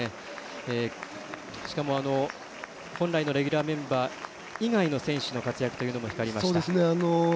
しかも本来のレギュラーメンバー以外の選手の活躍というのが光りました。